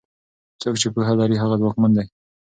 څوک چې پوهه لري هغه ځواکمن دی.